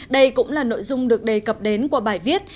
đây cũng là nội dung được đề cập đến qua bài viết